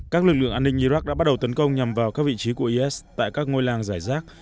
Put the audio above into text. các lực lượng an ninh iraq đã bắt đầu tấn công nhằm vào các vị trí của is tại các ngôi làng giải rác